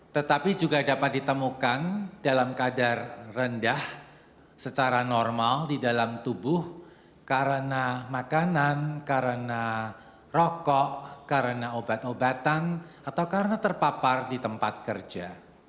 tetapi juga dapat ditemukan dalam kadar rendah secara normal di dalam tubuh karena makanan karena rokok karena obat obatan atau karena terpapar di tempat kerja